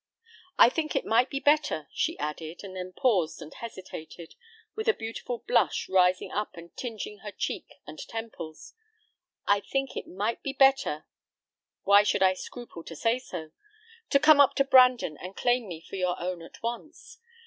I think it might be better," she added, and then paused and hesitated, with a beautiful blush rising up and tinging her cheek and temples, "I think it might be better why should I scruple to say so? to come up to Brandon and claim me for your own at once.